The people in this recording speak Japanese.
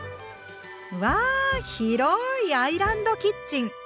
うわ広いアイランドキッチン！